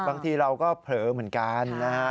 บางทีเราก็เผลอเหมือนกันนะฮะ